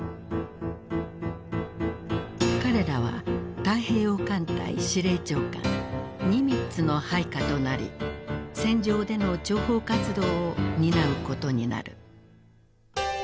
彼らは太平洋艦隊司令長官ニミッツの配下となり戦場での諜報活動を担うことになる。